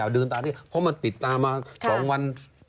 คือค่อยเริ่มตาพอมันปิดตามา๒วัน